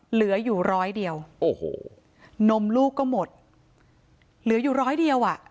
เหลืออยู่ร้อยเดียวโอ้โหนมลูกก็หมดเหลืออยู่ร้อยเดียวอ่ะ